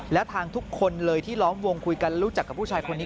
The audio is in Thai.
แล้วทางทุกคนเลยที่ล้อมวงคุยกันรู้จักกับผู้ชายคนนี้